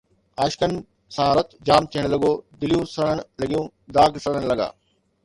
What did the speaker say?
عاشقن سان رت جام ٿيڻ لڳو، دليون سڙڻ لڳيون، داغ سڙڻ لڳا